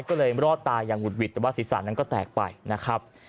ก็เลยรอดตายอย่างหุดหวิดแต่ว่าศีรษะนั้นก็แตกไปนะครับ